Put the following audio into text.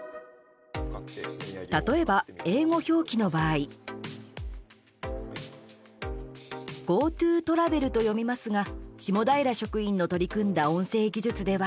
例えば、英語表記の場合ごーとぅーとらべると読みますが下平職員の取り組んだ音声技術では。